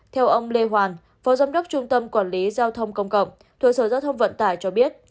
theo ông lê hoàn phó giám đốc trung tâm quản lý giao thông công cộng thuộc sở giao thông vận tải cho biết